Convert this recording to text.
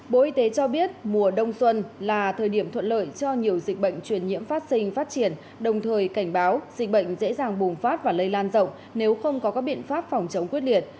bộ y tế cho biết mùa đông xuân là thời điểm thuận lợi cho nhiều dịch bệnh truyền nhiễm phát sinh phát triển đồng thời cảnh báo dịch bệnh dễ dàng bùng phát và lây lan rộng nếu không có các biện pháp phòng chống quyết liệt